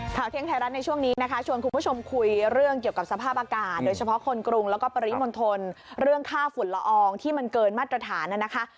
เที่ยงไทยรัฐในช่วงนี้นะคะชวนคุณผู้ชมคุยเรื่องเกี่ยวกับสภาพอากาศโดยเฉพาะคนกรุงแล้วก็ปริมณฑลเรื่องค่าฝุ่นละอองที่มันเกินมาตรฐานนะคะ